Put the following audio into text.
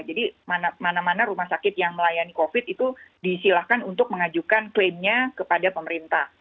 jadi mana mana rumah sakit yang melayani covid sembilan belas itu disilahkan untuk mengajukan klaimnya kepada pemerintah